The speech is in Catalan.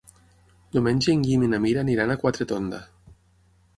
Diumenge en Guim i na Mira aniran a Quatretonda.